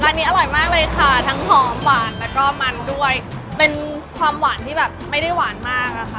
อันนี้อร่อยมากเลยค่ะทั้งหอมหวานแล้วก็มันด้วยเป็นความหวานที่แบบไม่ได้หวานมากอะค่ะ